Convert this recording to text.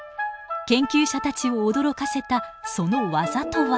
研究者たちを驚かせたその技とは。